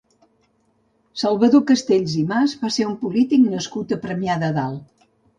Salvador Castells i Mas va ser un polític nascut a Premià de Dalt.